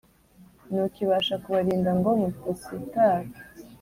nuko ibasha kubarinda ngo mudasitara